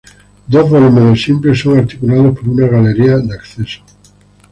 Dos volúmenes simples son articulados por una galería de acceso.